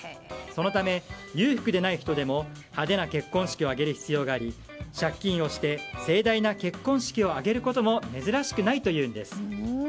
そのため、裕福でない人でも派手な結婚式を挙げる必要があり借金をして盛大な結婚式を挙げるのも珍しくないというんです。